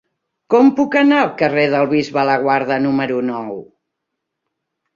Com puc anar al carrer del Bisbe Laguarda número nou?